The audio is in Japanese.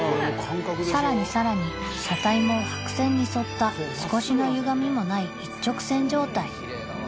さらにさらに車体も白線に沿った少しのゆがみもない一直線状態